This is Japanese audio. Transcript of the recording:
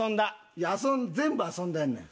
いや全部遊んでんねん。